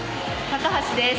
高橋です。